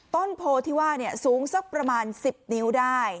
ต้นโพธิว่าเนี่ยสูงสักประมาณ๑๐นิ้วได้